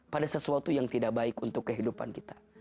pada sesuatu yang tidak baik untuk kehidupan kita